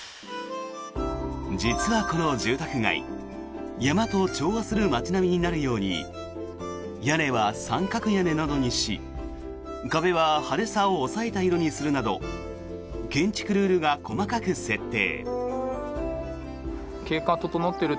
実はこの住宅街山と調和する町並みになるように屋根は三角屋根などにし壁は派手さを抑えた色にするなど建築ルールが細かく設定。